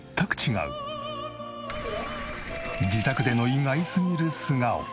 自宅での意外すぎる素顔。